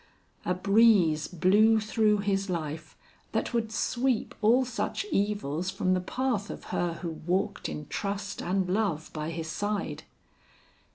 A breeze blew through his life that would sweep all such evils from the path of her who walked in trust and love by his side.